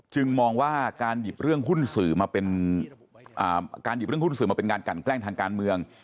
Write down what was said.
จึงมองว่าการหยิบเรื่องหุ้นสื่อมาเป็นการแกล้งทางการเมือง